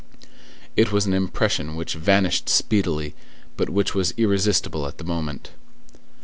It was an impression which vanished speedily, but which was irresistible at the moment.